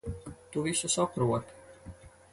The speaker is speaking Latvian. Tu visu saproti.